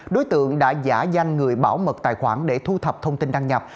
đối tượng đã giả danh người bảo mật tài khoản để thu thập thông tin đăng nhập